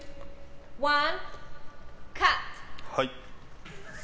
はい。